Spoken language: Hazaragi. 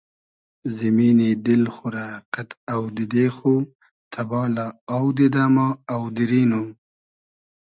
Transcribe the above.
زیمینی دیل خو رۂ قئد اۆدیدې خو تئبالۂ آو دیدۂ ما آودیری نوم